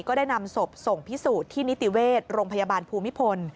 ก็ได้นำศพส่งพิสูจน์ที่นิติเวชโรงพยาบาลภูมิพล